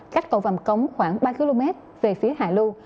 cách cầu vằm cống khoảng ba km về phía hạ lu